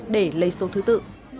để lấy số thứ tự